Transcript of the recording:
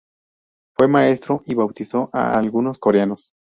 Fue maestro y bautizó a algunos coreanos.